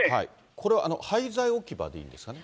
これは廃材置き場でいいんですかね？